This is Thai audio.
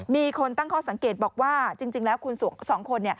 มีคนตั้งข้อสังเกตบอกว่าจริงแล้วคุณสองคน